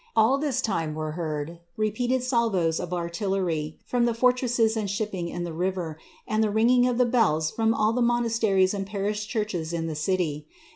All this time were heard repeated salvoes of artillery the fortresses and shipping in the river, and the ringing of the bells all the monasteries and parish churches in the city.